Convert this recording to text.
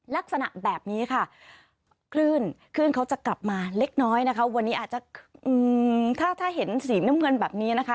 ลักษณะแบบนี้ค่ะคลื่นคลื่นเขาจะกลับมาเล็กน้อยนะคะวันนี้อาจจะถ้าเห็นสีน้ำเงินแบบนี้นะคะ